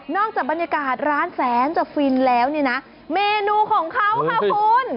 จากบรรยากาศร้านแสนจะฟินแล้วเนี่ยนะเมนูของเขาค่ะคุณ